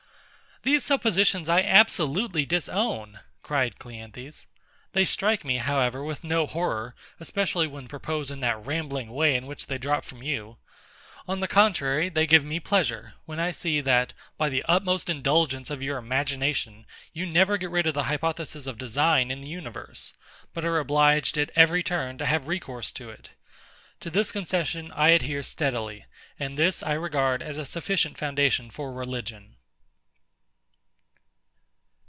These suppositions I absolutely disown, cried CLEANTHES: they strike me, however, with no horror, especially when proposed in that rambling way in which they drop from you. On the contrary, they give me pleasure, when I see, that, by the utmost indulgence of your imagination, you never get rid of the hypothesis of design in the universe, but are obliged at every turn to have recourse to it. To this concession I adhere steadily; and this I regard as a sufficient foundation for religion.